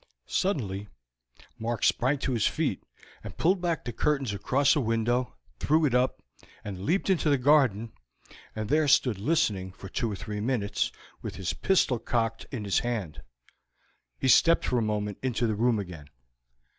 Suddenly Mark sprang to his feet, and pulled back the curtains across a window, threw it up, and leaped into the garden, and there stood listening for two or three minutes, with his pistol cocked in his hand. He stepped for a moment into the room again.